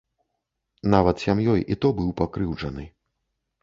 Нават сям'ёй і то быў пакрыўджаны.